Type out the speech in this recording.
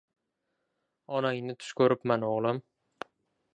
Onangni tush ko‘ribman, o‘g‘lim.